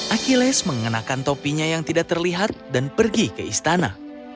achilles mengenakan topinya yang tidak terlihat dan pergi ke istana